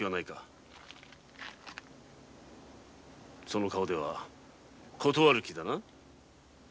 その顔では断る気だな？